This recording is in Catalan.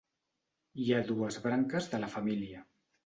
Hi ha dues branques de la família.